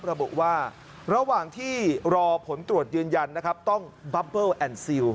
ระบุว่าระหว่างที่รอผลตรวจยืนยันนะครับต้องบับเบิ้ลแอนดซิล